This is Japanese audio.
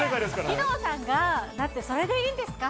義堂さんが、だってそれでいいんですか？